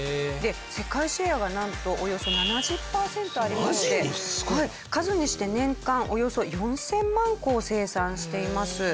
世界シェアがなんとおよそ７０パーセントありまして数にして年間およそ４０００万個を生産しています。